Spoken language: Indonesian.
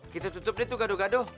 kita tutup deh tuh gado gado